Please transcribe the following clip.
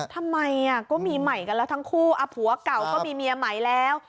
ทำไมก็มีใหม่กันแล้วทั้งคู่ผัวเก่าก็มีเมียใหม่แล้ว